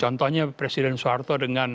contohnya presiden soekarno partemanku